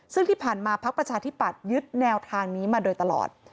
ซึ่งที่ผ่านมาพักประชาธิปัตยึดแนวทางนี้มาโดยตลอด